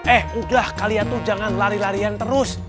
eh udah kalian tuh jangan lari larian terus